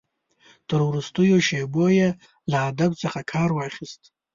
تر وروستیو شېبو یې له ادب څخه کار واخیست.